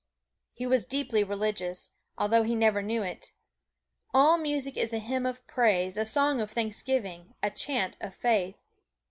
He was deeply religious although he never knew it. All music is a hymn of praise, a song of thanksgiving, a chant of faith.